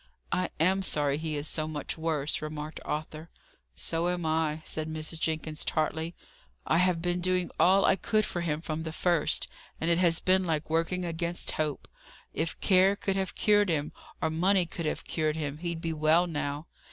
"I am sorry he is so much worse," remarked Arthur. "So am I," said Mrs. Jenkins, tartly. "I have been doing all I could for him from the first, and it has been like working against hope. If care could have cured him, or money could have cured him, he'd be well now.